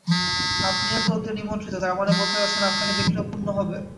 আপনিও তো ওদের নিমন্ত্রিত, তার মানে বলতে চাচ্ছেন, আপনাকে দেখলেও পুণ্য হবে?